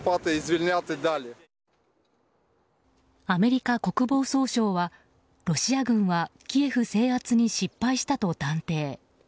アメリカ国防総省はロシア軍はキエフ制圧に失敗したと断定。